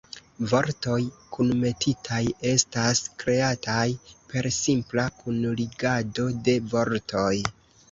Vortoj kunmetitaj estas kreataj per simpla kunligado de vortoj.